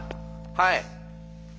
はい。